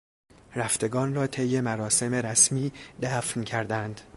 رفتگان را طی مراسم رسمی دفن کردند.